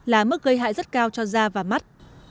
là mức gây hại rất cao cho da và mắt